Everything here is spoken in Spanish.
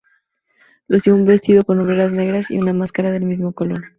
Lució un vestido con hombreras negras y una máscara del mismo color.